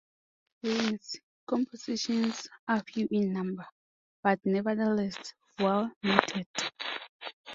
Bruins' compositions are few in number, but nevertheless well noted.